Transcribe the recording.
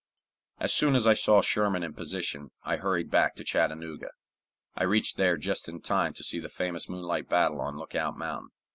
As soon as I saw Sherman in position, I hurried back to Chattanooga. I reached there just in time to see the famous moonlight battle on Lookout Mountain.